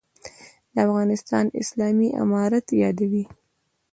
«د افغانستان اسلامي امارت» یادوي.